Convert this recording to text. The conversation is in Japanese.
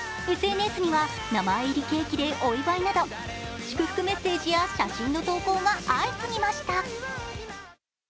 ＳＮＳには、名前入りケーキでお祝いなど祝福メッセージや写真の投稿が相次ぎました。